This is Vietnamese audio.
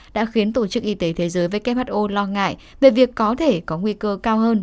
đã khiến tổ chức y tế thế giới who lo ngại về việc có thể có nguy cơ cao hơn